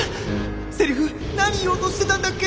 セリフ何言おうとしてたんだっけ？